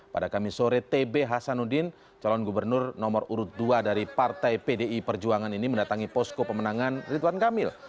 pada kamis sore tb hasanuddin calon gubernur nomor urut dua dari partai pdi perjuangan ini mendatangi posko pemenangan ridwan kamil